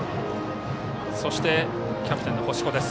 そして、キャプテンの星子。